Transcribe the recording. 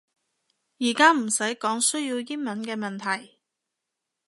而家唔使講需要英文嘅問題